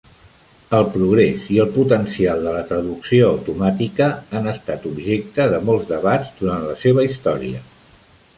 El progrés i el potencial de la traducció automàtica han estat objecte de molts debats durant la seva història.